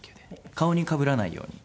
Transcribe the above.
顔にかぶらないように。